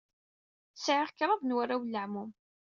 Sɛiɣ kraḍ n warraw n leɛmum.